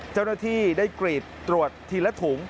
เจ้าหน้าที่ได้กรีดตรวจทีละถุง